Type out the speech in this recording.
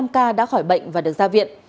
hai mươi năm ca đã khỏi bệnh và được ra viện